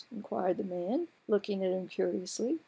" inquired the man, looking at him curiously.